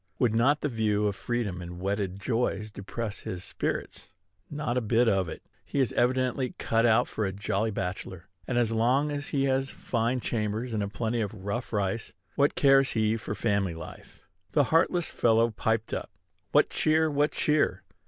Would not the view of freedom and wedded joys depress his spirits? Not a bit of it. He is evidently cut out for a jolly bachelor; and, as long as he has fine chambers and a plenty of rough rice, what cares he for family life? The heartless fellow piped up, "What cheer! what cheer!"